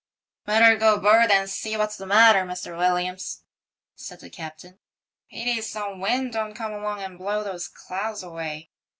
Better go aboard and see what's the matter, Mr. Williams," said the captain. " Pity some wind don't come along and blow those clouds away.